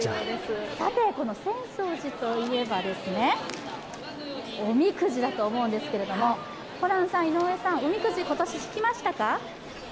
さて、この浅草寺といえば、おみくじだと思うんですけれども、ホランさん、井上さん、おみくじ今年引きましたか？